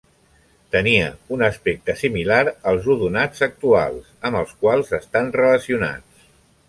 Tenien un aspecte similar als odonats actuals, amb els quals estan relacionats.